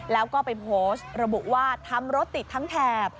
แล้วก็ไปโพสต์ระบุว่าทำรถติดทั้งแถบ